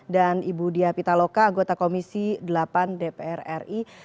ibu dia pitaloka anggota komisi delapan dpr ri